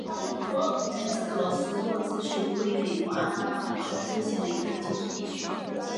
丹利斯克罗斯罗兹是一个位于美国阿拉巴马州科菲县的非建制地区。